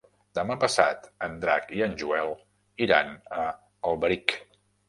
Demà passat en Drac i en Joel iran a Alberic.